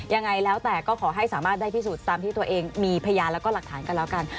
ยังไงแล้วแต่ก็ขอให้สามารถได้พิสูจน์ตามที่ตัวเองมีพยานแล้วก็หลักฐานกันแล้วกัน